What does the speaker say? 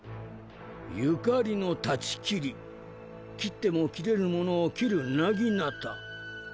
所縁の断ち切り切っても切れぬものを斬る薙刀。